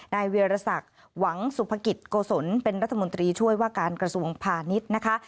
นายเวียรศักดิ์หวังสุภกิจโกศลเป็นรัฐมนตรีช่วยว่าการกระทรวงพาณิชย์นะคะ